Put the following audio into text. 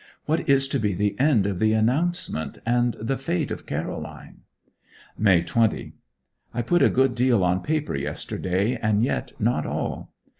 What is to be the end of the announcement, and the fate of Caroline? May 20. I put a good deal on paper yesterday, and yet not all.